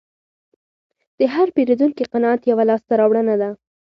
د هر پیرودونکي قناعت یوه لاسته راوړنه ده.